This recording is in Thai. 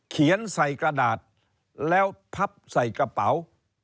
ใส่กระดาษแล้วพับใส่กระเป๋า